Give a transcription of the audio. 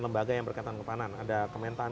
lembaga yang berkaitan kepanan ada kementan